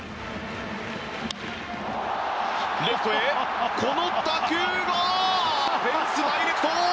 レフトへ、この打球がフェンスダイレクト！